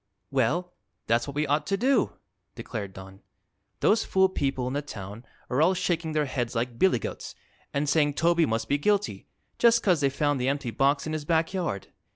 "Well, that's what we ought to do," declared Don. "Those fool people in the town are all shaking their heads like billygoats and saying Toby must be guilty, just 'cause they found the empty box in his back yard.